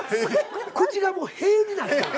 口がもう「へ」になってる。